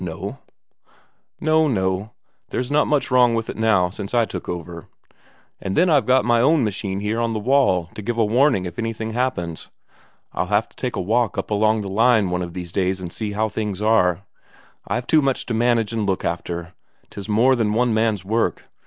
No." "No, no ... There's not much wrong with it now since I took over. And then I've my own machine here on the wall to give a warning if anything happens. I'll have to take a walk up along the line one of these days and see how things are. I've too much to manage and look after, 'tis more than one man's work.